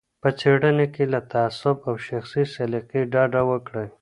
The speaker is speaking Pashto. په څېړنه کي له تعصب او شخصي سلیقې ډډه وکړئ.